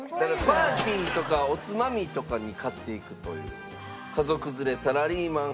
パーティーとかおつまみとかに買っていくという家族連れサラリーマン